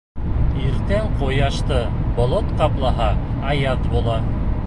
Иртән ҡояшты болот ҡаплаһа, аяҙ була.